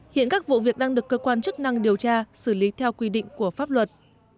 hiện các vụ việc đang được cơ quan chức năng điều tra xử lý theo quy định của pháp luật